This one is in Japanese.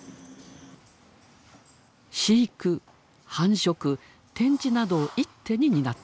飼育繁殖展示などを一手に担っている。